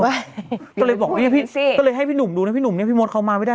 ก็เลยให้พี่หนุ่มดูนะพี่หนุ่มนี่พี่มดเขามาไม่ได้